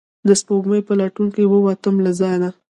د سپوږمۍ په لټون ووتم له ځانه